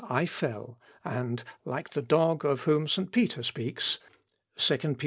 I fell, and like the dog of whom St. Peter speaks, (2 Ep.